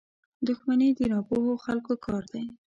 • دښمني د ناپوهو خلکو کار دی.